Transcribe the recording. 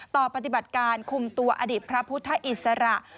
ปฏิบัติการคุมตัวอดีตพระพุทธอิสระ